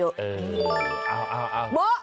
เออเอาโบ๊ะ